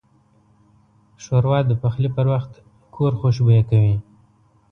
ښوروا د پخلي پر وخت کور خوشبویه کوي.